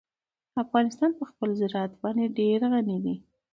افغانستان په خپل زراعت باندې ډېر غني دی.